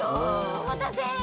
おまたせ。